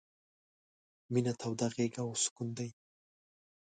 — مينه توده غېږه او سکون دی...